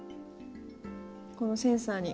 このセンサーに。